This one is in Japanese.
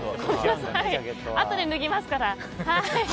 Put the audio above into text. あとで脱ぎますから。